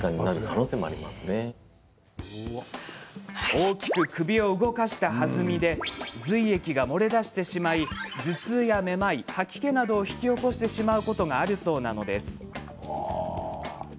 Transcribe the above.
大きく首を動かした弾みで髄液が漏れ出してしまい頭痛やめまい、吐き気などを引き起こしてしまうことがあるそうなんです。